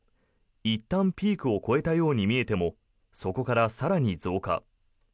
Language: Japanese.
いったんピークを越えたように見えてもそこから更に増加。